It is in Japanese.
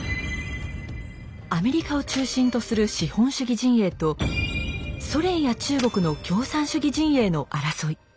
アメリカを中心とする資本主義陣営とソ連や中国の共産主義陣営の争い。